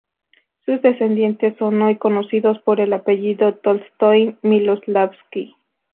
Sus descendientes son hoy conocidos por el apellido Tolstói-Miloslavski.